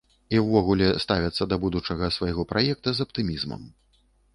І ўвогуле ставяцца да будучага свайго праекта з аптымізмам.